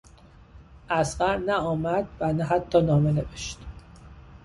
اصغر نه آمد و نه حتی نامه نوشت.